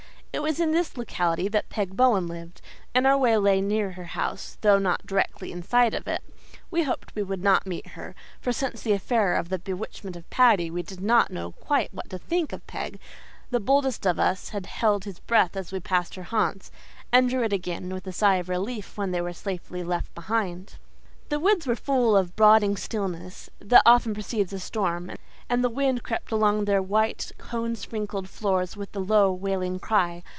It was in this locality that Peg Bowen lived, and our way lay near her house though not directly in sight of it. We hoped we would not meet her, for since the affair of the bewitchment of Paddy we did not know quite what to think of Peg; the boldest of us held his breath as we passed her haunts, and drew it again with a sigh of relief when they were safely left behind. The woods were full of the brooding stillness that often precedes a storm, and the wind crept along their white, cone sprinkled floors with a low, wailing cry.